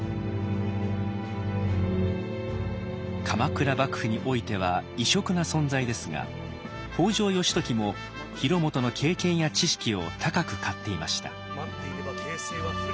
鎌倉幕府においては異色な存在ですが北条義時も広元の経験や知識を高く買っていました。